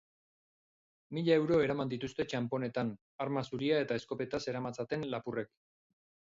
Mila euro eraman dituzte txanponetan, arma zuria eta eskopeta zeramatzaten lapurrek.